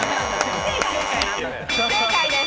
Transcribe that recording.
不正解です。